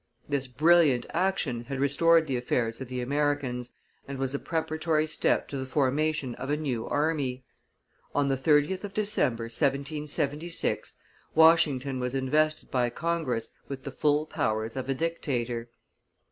This brilliant action had restored the affairs of the Americans, and was a preparatory step to the formation of a new army. On the 30th of December, 1776, Washington was invested by Congress with the full powers of a dictator.